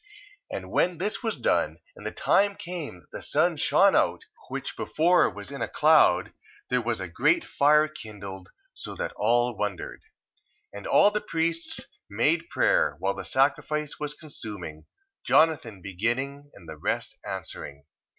1:22. And when this was done, and the time came that the sun shone out, which before was in a cloud, there was a great fire kindled, so that all wondered. 1:23. And all the priests made prayer, while the sacrifice was consuming, Jonathan beginning, and the rest answering.